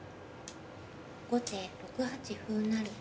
後手６八歩成。